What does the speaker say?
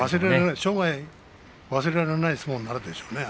生涯、忘れられない相撲になるでしょうね。